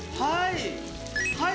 はい！